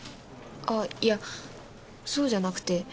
あっいやそうじゃなくて。